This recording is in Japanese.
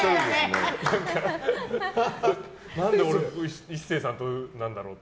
何で俺壱成さんとなんだろうって。